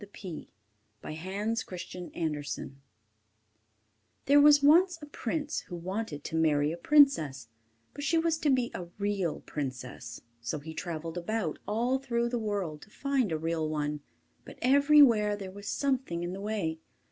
CHAPTER XXI THE PRINCESS ON THE PEA There was once a prince who wanted to marry a princess; but she was to be a real princess. So he travelled about, all through the world, to find a real one, but everywhere there was something in the way.